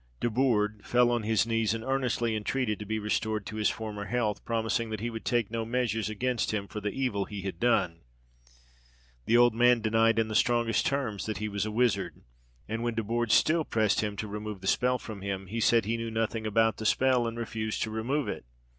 Desbourdes fell on his knees and earnestly entreated to be restored to his former health, promising that he would take no measures against him for the evil he had done. The old man denied in the strongest terms that he was a wizard; and when Desbourdes still pressed him to remove the spell from him, he said he knew nothing about the spell, and refused to remove it.